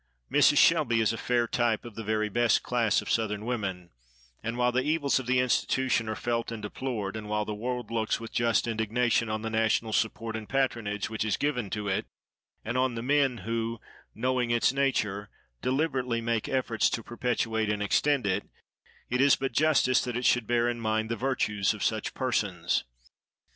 Mrs. Shelby is a fair type of the very best class of Southern women; and while the evils of the institution are felt and deplored, and while the world looks with just indignation on the national support and patronage which is given to it, and on the men who, knowing its nature, deliberately make efforts to perpetuate and extend it, it is but justice that it should bear in mind the virtues of such persons.